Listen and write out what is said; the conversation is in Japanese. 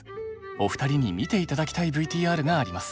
お二人に見て頂きたいＶＴＲがあります。